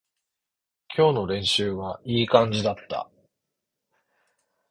今日の練習はいい感じだった